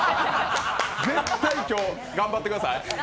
絶対頑張ってください。